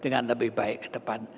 dengan lebih baik ke depan